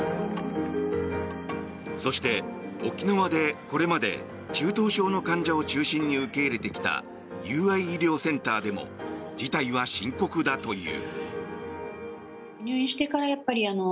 そして、沖縄でこれまで中等症の患者を中心に受け入れてきた友愛医療センターでも事態は深刻だという。